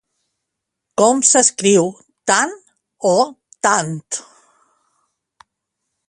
Com s'escriu, tan o tant?